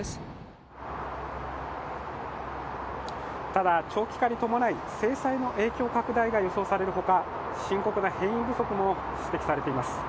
ただ、長期化に伴い制裁の影響拡大が予想されるほか深刻な兵員不足も指摘されています。